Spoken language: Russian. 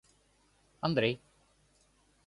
Андрей